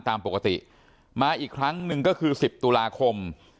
ตามปกติมาอีกครั้งหนึ่งก็คือ๑๐ตุลาคม